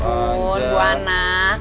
ya ampun buana